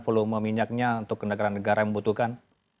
volume minyaknya untuk negara negara yang membutuhkan